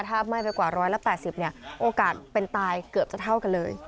ถ้าไหม้ไปกว่า๑๘๐เนี่ยโอกาสเป็นตายเกือบจะเท่ากันเลย